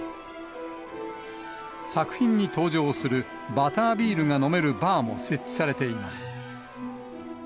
作品に登場するバタービールが飲めるバーも設置されています。